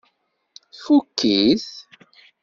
Tfukk-it?